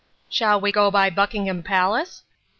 "Shall we go by Buckingham Palace?"